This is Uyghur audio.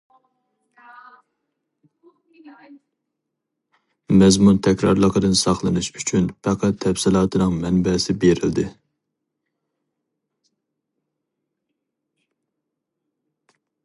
مەزمۇن تەكرارلىقىدىن ساقلىنىش ئۈچۈن پەقەت تەپسىلاتىنىڭ مەنبەسى بېرىلدى.